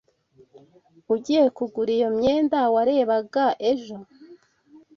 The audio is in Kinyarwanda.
Ugiye kugura iyo myenda warebaga ejo?